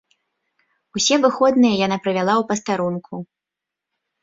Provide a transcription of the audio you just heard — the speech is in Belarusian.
Усе выходныя яна правяла ў пастарунку.